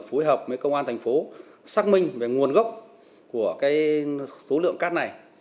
phối hợp với công an thành phố xác minh về nguồn gốc của số lượng cát này